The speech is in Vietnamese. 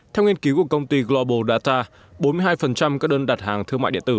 theo nghiên cứu của công ty global data bốn mươi hai các đơn đặt hàng thương mại điện tử